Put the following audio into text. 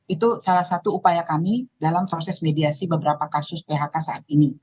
itu salah satu upaya kami dalam proses mediasi beberapa kasus phk saat ini